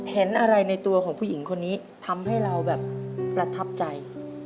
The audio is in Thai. เห็นอะไรในตัวของผู้หญิงคนนี้ทำให้เราแบบประทับใจ